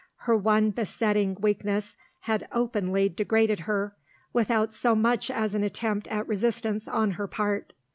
Her one besetting weakness had openly degraded her, without so much as an attempt at resistance on her part.